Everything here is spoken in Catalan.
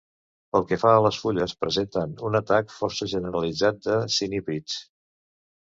Pel que fa a les fulles, presenten un atac força generalitzat de cinípids.